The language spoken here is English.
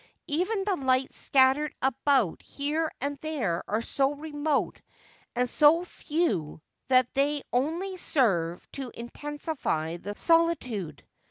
Even the lights scattered about here and there are so remote and so few that they only serve to intensify the solitude.